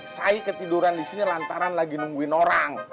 saya ketiduran disini lantaran lagi nungguin orang